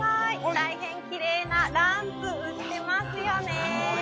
大変キレイなランプ売ってますよね